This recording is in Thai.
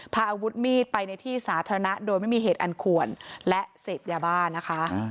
พาอาวุธมีดไปในที่สาธารณะโดยไม่มีเหตุอันควรและเสพยาบ้านะคะ